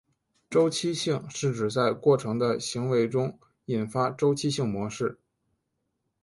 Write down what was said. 周期性是指在过程的行为中引发周期性模式。